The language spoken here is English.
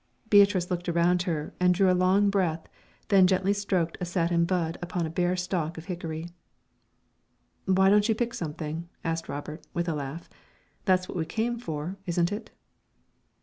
Beatrice looked around her and drew a long breath, then gently stroked a satin bud upon a bare stalk of hickory. "Why don't you pick something?" asked Robert, with a laugh. "That's what we came for, isn't it?"